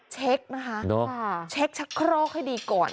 เช็คนะคะเช็คชะโครกให้ดีก่อน